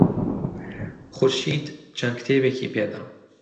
خورشید چەند کتێبێکی پێدام.